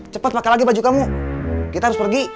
cepat pakai lagi baju kamu kita harus pergi